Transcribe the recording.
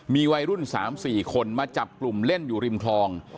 มีวัยรุ่น๓๔คนมาจับกลุ่มเล่นอยู่ริมคลอง